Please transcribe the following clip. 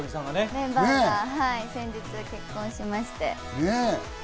メンバーが先日結婚しまして。